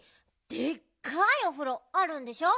でっかいおふろあるんでしょ？